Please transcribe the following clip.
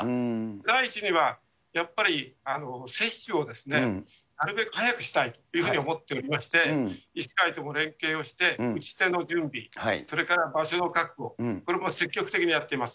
第一には、やっぱり接種をなるべく早くしたいと思っておりまして、医師会とも連携をして、打ち手の準備、それから場所の確保、これを積極的にやっています。